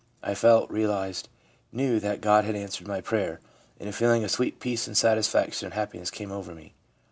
I felt, realised, knew that God had answered my prayer ; and a feeling of sweet peace and satisfaction and happiness came over me.